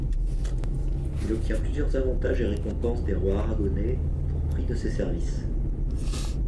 Il obtient plusieurs avantages et récompenses des rois aragonais pour prix de ses services.